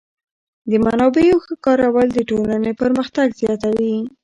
د منابعو ښه کارول د ټولنې پرمختګ زیاتوي.